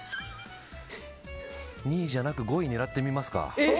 ２位じゃなく５位を狙ってみますか。